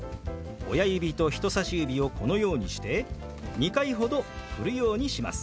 親指と人さし指をこのようにして２回ほどふるようにします。